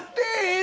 え？